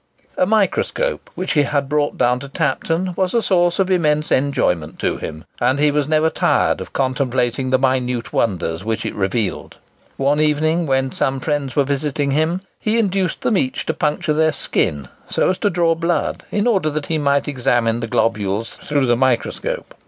A microscope, which he had brought down to Tapton, was a source of immense enjoyment to him; and he was never tired of contemplating the minute wonders which it revealed. One evening, when some friends were visiting him, he induced them each to puncture their skin so as to draw blood, in order that he might examine the globules through the microscope.